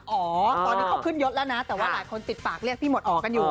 อ๋อตอนนี้เขาขึ้นยศแล้วนะแต่ว่าหลายคนติดปากเรียกพี่หมดอ๋อกันอยู่